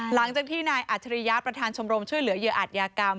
หลังจากที่นายอัจฉริยะประธานชมรมช่วยเหลือเหยื่ออาจยากรรม